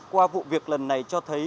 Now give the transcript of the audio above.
qua vụ việc lần này cho thấy